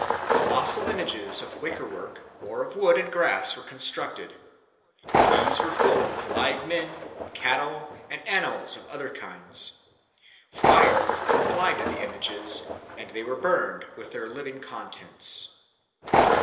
Colossal images of wicker work or of wood and grass were constructed; these were filled with live men, cattle, and animals of other kinds; fire was then applied to the images, and they were burned with their living contents.